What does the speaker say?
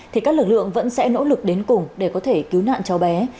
thì các lực lượng vẫn sẽ nỗ lực đến cùng để có thể cứu nạn cháu bé